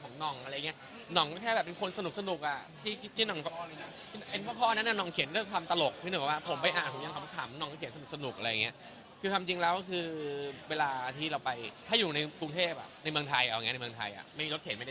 ก็เป็นครูของน้องเราอ่ะครับเวลาเราไปรับไปส่งน้องก็เจออะไรอย่างเงี้ยครับ